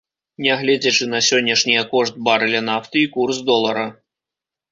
Нягледзячы на сённяшнія кошт барэля нафты і курс долара.